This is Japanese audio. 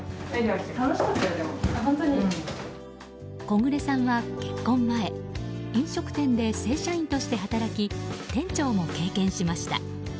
小暮さんは結婚前飲食店で正社員として働き店長も経験しました。